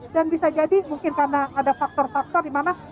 dan bisa jadi mungkin karena ada faktor faktor di mana